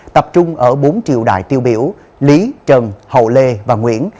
tập trung ở bốn triều đại tiêu biểu lý trần hậu lê và nguyễn